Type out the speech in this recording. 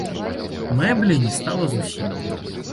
Мэблі не стала зусім.